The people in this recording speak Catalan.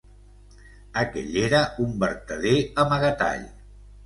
Aquell era un vertader amagatall.